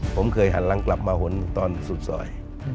ผมเคยหันหลังกลับมาหนตอนสุดซอย